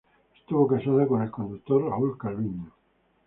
Estuvo casada con el conductor Raúl Calviño.